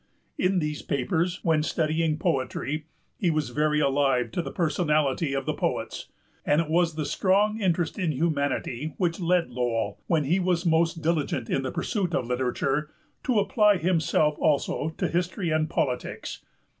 In these papers, when studying poetry, he was very alive to the personality of the poets, and it was the strong interest in humanity which led Lowell, when he was most diligent in the pursuit of literature, to apply himself also to history and politics.